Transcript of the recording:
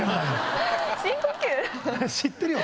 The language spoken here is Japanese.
知ってるよ！